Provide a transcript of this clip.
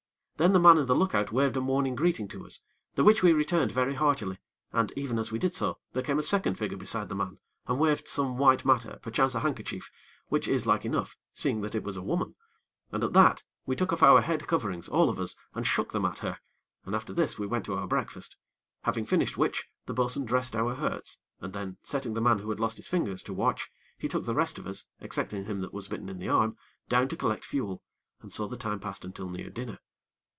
Then the man in the look out waved a morning greeting to us, the which we returned very heartily, and, even as we did so, there came a second figure beside the man, and waved some white matter, perchance a handkerchief, which is like enough, seeing that it was a woman, and at that, we took off our head coverings, all of us, and shook them at her, and after this we went to our breakfast; having finished which, the bo'sun dressed our hurts, and then, setting the man, who had lost his fingers, to watch, he took the rest of us, excepting him that was bitten in the arm, down to collect fuel, and so the time passed until near dinner.